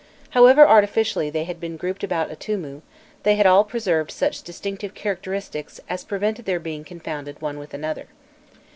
However artificially they had been grouped about Atûmû, they had all preserved such distinctive characteristics as prevented their being confounded one with another.